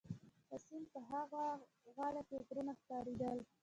د سیند په ها غاړه کي غرونه ښکارېدل.